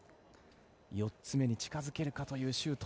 ４つ目に近づけるかというシュート。